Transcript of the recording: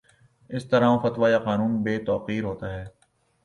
اس طرح وہ فتویٰ یا قانون بے توقیر ہوتا ہے